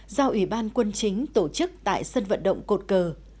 do ủy ban quân chính tổ chức tại sân vận động cột cờ